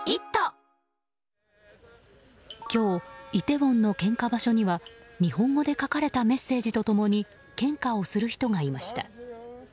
今日イテウォンの献花場所には日本語で書かれたメッセージと共に献花をする人がいました。